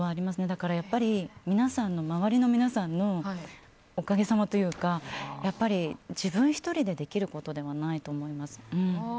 だから、周りの皆さんのおかげ様というかやっぱり自分一人でできることではないと思います。